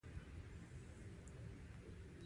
سوالګر له سپکاوي سره سره دعا کوي